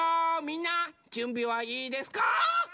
みんなじゅんびはいいですか？